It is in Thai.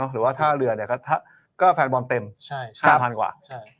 หรือว่าท่าเรือเนี่ยก็แฟนบอลเต็ม๓๐๐กว่า